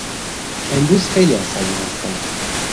امروز خیلی عصبی هستم.